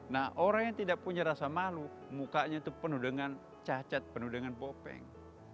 nah orang yang tidak punya rasa malu mukanya itu penuh dengan cacat penuh dengan bopeng